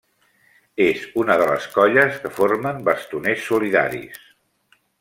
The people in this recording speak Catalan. És una de les colles que formen Bastoners Solidaris.